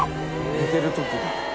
「寝てる時だ」